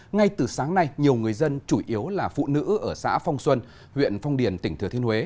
ngay từ sáng nay nhiều người dân chủ yếu là phụ nữ ở xã phong xuân huyện phong điền tỉnh thừa thiên huế